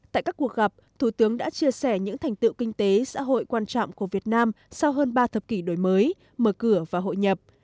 tại các cuộc gặp thủ tướng đã chia sẻ những thành tựu kinh tế xã hội quan trọng của việt nam sau hơn ba thập kỷ đổi mới mở cửa và hội nhập